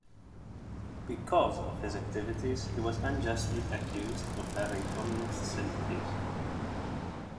Because of his activities, he was unjustly accused of having communist sympathies.